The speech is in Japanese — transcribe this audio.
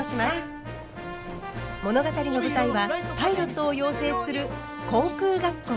物語の舞台はパイロットを養成する航空学校。